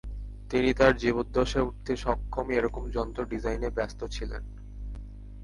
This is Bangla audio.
তিনি তার জীবদ্দশায় উড়তে সক্ষম এরকম যন্ত্র ডিজাইনে ব্যাস্ত ছিলেন।